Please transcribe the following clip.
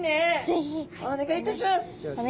ぜひ！お願いいたします。